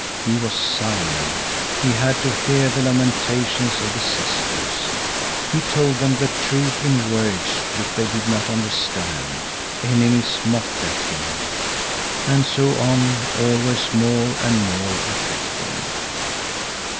He was silent. He had to hear the lamentations of the sisters. He told them the truth in words which they did not understand. Enemies mocked at him. And so on always more and more affecting.